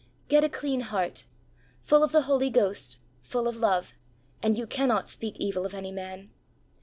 Get a clean heart, full of the Holy Ghost, full of love, and you cannot speak evil of any man.